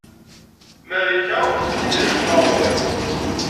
Marika ur telli d acemma ɣur-i.